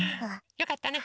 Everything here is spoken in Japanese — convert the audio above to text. よかったね。